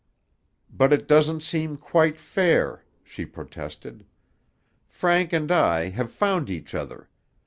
"But it doesn't seem quite fair," she protested. "Frank and I have found each other.